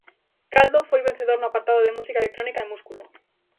Caldo foi vencedor no apartado de música electrónica e Músculo!